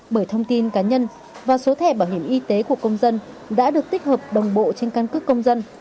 bởi thông tin cá nhân và số thẻ bảo hiểm y tế của công dân đã được tích hợp đồng bộ trên căn cước công dân